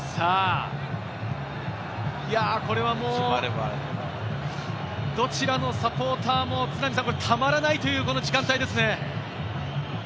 これはもう、どちらのサポーターもたまらないという時間帯ですね。